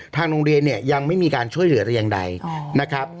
ทางโรงเรียนเนี่ยยังไม่มีการช่วยเหลือแต่อย่างใดนะครับ